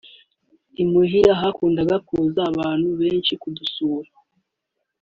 Imuhira hakundaga kuza abantu benshi kudusura